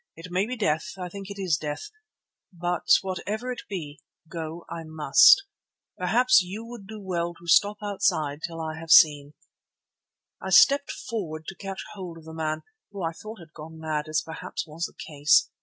It may be death; I think it is death, but whatever it be, go I must. Perhaps you would do well to stop outside till I have seen.' "I stepped forward to catch hold of the man, who I thought had gone mad, as perhaps was the case.